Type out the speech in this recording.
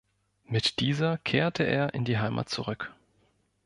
Mit dieser kehrte er in die Heimat zurück.